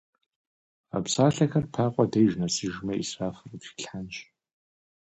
А псалъэхэр Пакъуэ деж нэсыжмэ, ӏисрафыр къытхилъхьэнщ.